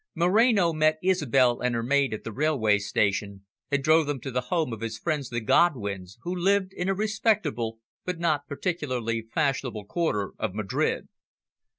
Moreno met Isobel and her maid at the railway station, and drove them to the home of his friends, the Godwins, who lived in a respectable but not particularly fashionable quarter of Madrid.